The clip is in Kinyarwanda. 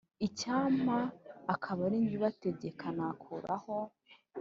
Icyampa akaba ari jye ubategeka nakuraho